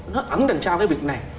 nó ẩn đằng sau cái việc này